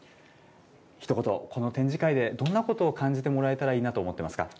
ひと言、この展示会で、どんなことを感じてもらえたらいいな